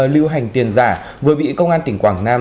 lưu hành tiền giả vừa bị công an tỉnh quảng nam